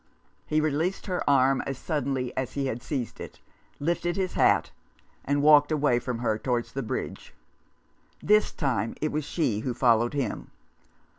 He released her arm as suddenly as he had seized it, lifted his hat, and walked away from her towards the bridge. This time it was she who followed him.